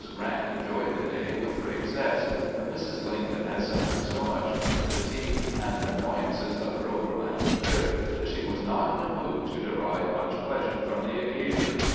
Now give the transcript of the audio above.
Grant enjoyed the day with , great zest, but Mrs. Lincoln had suffered so much from the fatigue and annoyances of her overland trip that she was not in a mood to derive much pleasure from the occasion.